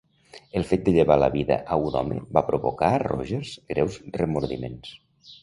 El fet de llevar la vida a un home va provocar a Rogers greus remordiments.